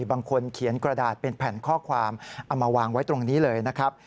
บางคนเขียนกระดาษเป็นแผ่นข้อความเอามาวางไว้ตรงนี้เลยนะครับ